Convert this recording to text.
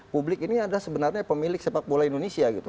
publik ini adalah sebenarnya pemilik sepak bola indonesia gitu